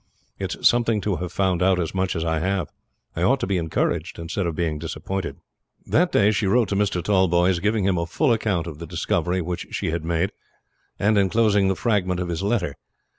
It is something to have found out as much as I have. I ought to be encouraged instead of being disappointed." That day she wrote to Mr. Tallboys, giving him a full account of the discovery which she had made, and inclosing the fragment of his letter.